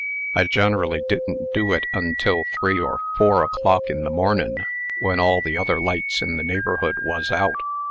I generally didn't do it until three or four o'clock in the mornin', when all the other lights in the neighborhood was out.